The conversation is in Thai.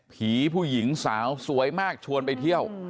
ผู้หญิงสาวสวยมากชวนไปเที่ยว